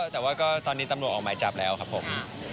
แต่ว่าก็ตอนนี้ตำรวจออกหมายจับแล้วครับผม